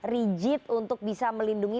rigid untuk bisa melindungi